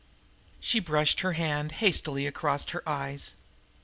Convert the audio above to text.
She brushed her hand hastily across her eyes.